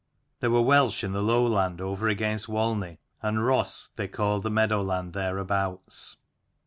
There were Welsh in the low land over against Walney, and Rhos they called the meadow land thereabouts.